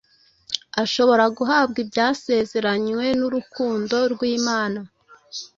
ashobora guhabwa ibyasezeranywe n’urukundo rw’Imana.